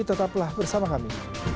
tetaplah bersama kami